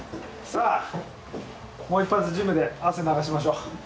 さあもう一発ジムで汗流しましょう！